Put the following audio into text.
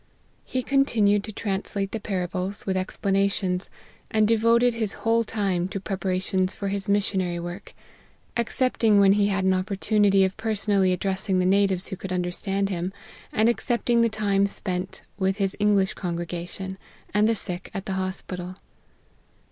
He continued to trans late the parables, with explanations, and devoted his whole time to preparations for his missionary work ; excepting when he had an opportunity of personally addressing the natives, who could un derstand him, and excepting the time spent with his English congregation, and the sick at the hospital.